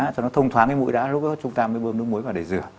cho nó thông thoáng cái mũi đã lúc đó chúng ta mới bơm nước muối vào để rửa